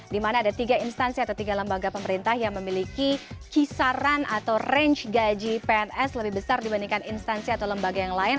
di mana ada tiga instansi atau tiga lembaga pemerintah yang memiliki kisaran atau range gaji pns lebih besar dibandingkan instansi atau lembaga yang lain